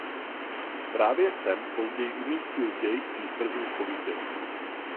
Právě sem později umístil děj svých prvních povídek.